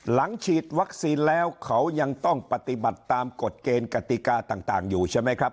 หลังฉีดวัคซีนแล้วเขายังต้องปฏิบัติตามกฎเกณฑ์กติกาต่างอยู่ใช่ไหมครับ